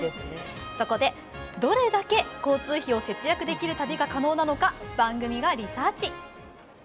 そこで、どれだけ交通費を節約できる旅が可能なのか番組がリサーチ。